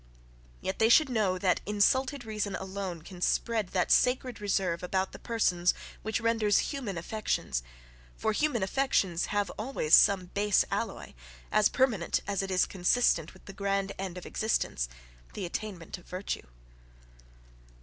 Yet they should know, that insulted reason alone can spread that SACRED reserve about the persons which renders human affections, for human affections have always some base alloy, as permanent as is consistent with the grand end of existence the attainment of virtue.